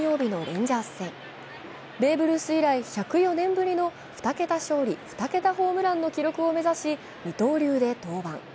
ベーブ・ルース以来１０４年ぶりの２桁勝利・２桁ホームランの記録を目指し二刀流で登板。